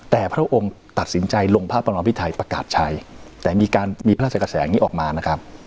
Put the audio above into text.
แต่พระองค์ตัดสินใจลงภาพรรณภิทัยประกาศใช้แต่มีพระราชกาแสออกมานะครับ